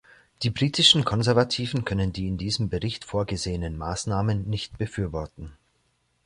Die britischen Konservativen können die in diesem Bericht vorgesehenen Maßnahmen nicht befürworten.